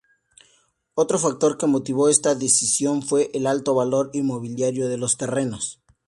Otro factor que motivó esta decisión fue el alto valor inmobiliario de los terrenos.